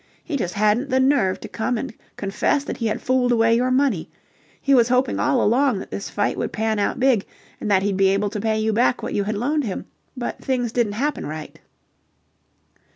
He just hadn't the nerve to come and confess that he had fooled away your money. He was hoping all along that this fight would pan out big and that he'd be able to pay you back what you had loaned him, but things didn't happen right."